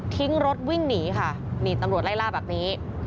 ทิ้งรถวิ่งหนีค่ะนี่ตำรวจไล่ล่าแบบนี้